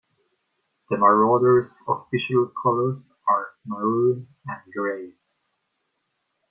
The Marauder's official colours are maroon and grey.